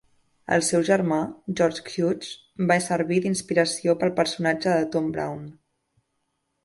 El seu germà, George Hughes, va servir d'inspiració per al personatge de Tom Brown.